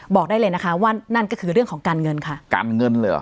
บอกได้เลยนะคะว่านั่นก็คือเรื่องของการเงินค่ะการเงินเลยเหรอ